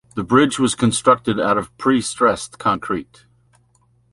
The bridge was constructed out of pre-stressed concrete.